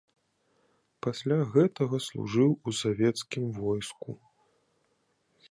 Пасля гэтага служыў у савецкім войску.